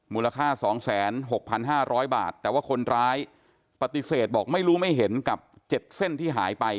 มูลค่า๒๖๕๐๐บาทแต่ว่าคนร้ายปฏิเสธบอกไม่รู้ไม่เห็นกับ๗เส้นที่หายไป